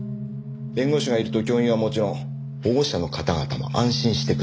弁護士がいると教員はもちろん保護者の方々も安心してくださるんです。